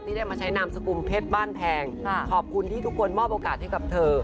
ได้มาใช้นามสกุลเพชรบ้านแพงขอบคุณที่ทุกคนมอบโอกาสให้กับเธอ